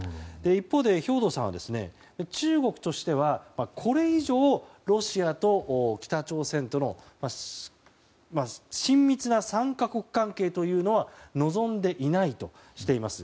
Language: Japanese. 一方で兵頭さんは、中国としてはこれ以上、ロシアと北朝鮮との親密な３か国関係というのは望んでいないとしています。